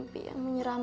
tak untuk lho